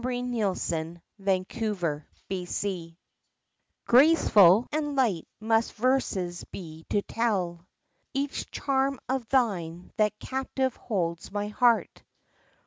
IX TO GERTRUDE An Acrostic GRACEFUL and light must verses be to tell Each charm of thine that captive holds my heart.